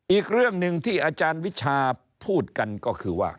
อีกเรื่องหนึ่งที่อาจารย์วิชาพูดกันก็คือว่า